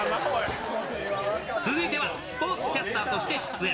続いては、スポーツキャスターとして出演。